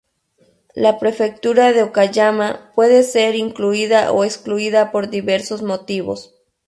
La prefectura de Okayama puede ser incluida o excluida por diversos motivos.